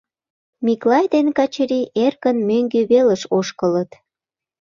Миклай ден Качырий эркын мӧҥгӧ велыш ошкылыт.